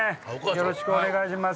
よろしくお願いします